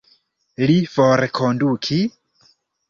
Li forkondukis?